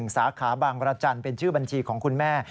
สาขาบางรจันทร์เป็นชื่อบัญชีของคุณแม่